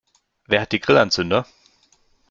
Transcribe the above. Wer hat die Grillanzünder?